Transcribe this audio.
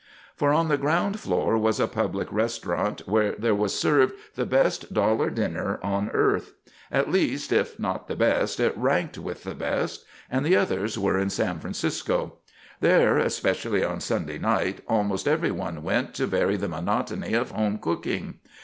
For on the ground floor was a public restaurant where there was served the best dollar dinner on earth. At least, if not the best it ranked with the best, and the others were in San, Francisco. There, especially on Sunday night, almost everyone went to vary the monotony of home cooking.